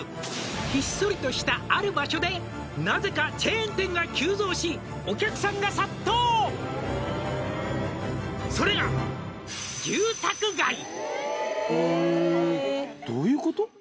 「ひっそりとしたある場所でなぜかチェーン店が急増し」「お客さんが殺到」「それが」どういうこと？